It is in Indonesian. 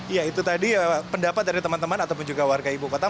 ya itu tadi pendapat dari teman teman ataupun juga warga ibu kota